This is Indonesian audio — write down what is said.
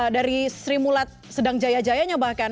dari sri mulat sedang jaya jayanya bahkan